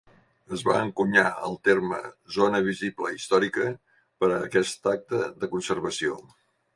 Es va encunyar el terme "zona visible històrica" per a aquest acte de conservació.